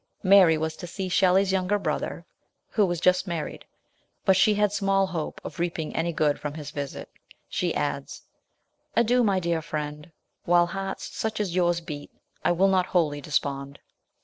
Mary was to see Shelley's younger brother, who was just married, but she had small hope of reaping any good from his visit. She adds, " Adieu, my ever dear friend ; while hearts such as yours beat, I will not wholly despond."